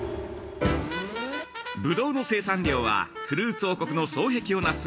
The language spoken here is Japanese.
ぶどうの生産量はフルーツ王国の双璧をなす